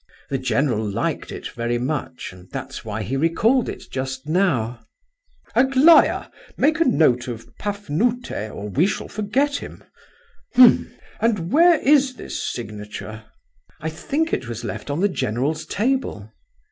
The general liked it very much, and that's why he recalled it just now." "Aglaya, make a note of 'Pafnute,' or we shall forget him. H'm! and where is this signature?" "I think it was left on the general's table."